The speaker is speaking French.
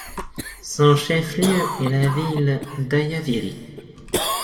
Son chef-lieu est la ville d'Ayaviri.